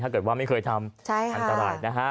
ถ้าเกิดว่าไม่เคยทำอันตรายนะฮะ